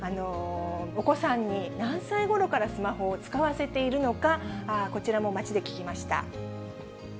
お子さんに何歳ごろからスマホを使わせているのか、こちらも街で聞きました。